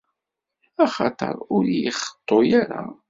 Axaṭer, ur iyi-ixeṭṭu ara.